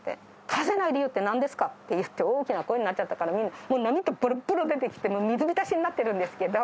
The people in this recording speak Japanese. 貸せない理由ってなんですかって、大きな声になっちゃったから、涙ぼろぼろ出てきて、水浸しになってるんですけど。